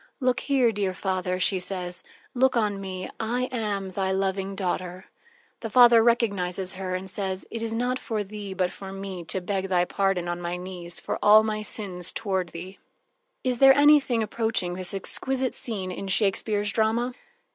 "Look here, dear father," she says, "look on me: I am thy loving daughter." The father recognizes her and says: "It is not for thee, but for me, to beg thy pardon on my knees for all my sins toward thee." Is there anything approaching this exquisite scene in Shakespeare's drama?